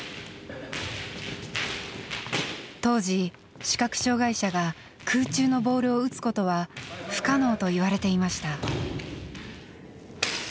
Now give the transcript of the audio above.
当時視覚障害者が空中のボールを打つことは不可能と言われていました。